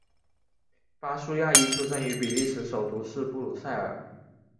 巴舒亚伊出生于比利时首都布鲁塞尔。